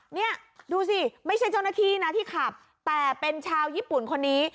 เนี่ยดูสิไม่ใช่เจ้าหน้าที่นะที่ขับแต่เป็นชาวญี่ปุ่นคนนี้